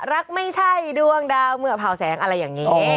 รักไม่ใช่ดวงดาวเมื่อเผาแสงอะไรอย่างนี้